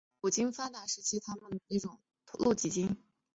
在捕鲸业发达的时期是把它们当成同一种露脊鲸。